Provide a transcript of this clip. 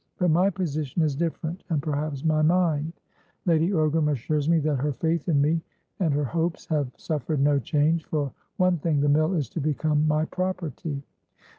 But my position is different, and perhaps my mind. Lady Ogram assures me that her faith in me, and her hopes, have suffered no change. For one thing, the mill is to become my property.